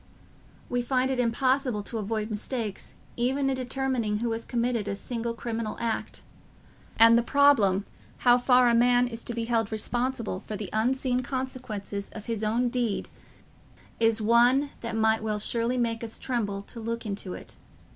We find it impossible to avoid mistakes even in determining who has committed a single criminal act, and the problem how far a man is to be held responsible for the unforeseen consequences of his own deed is one that might well make us tremble to look into it.